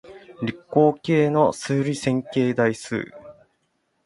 理工系の数理線形代数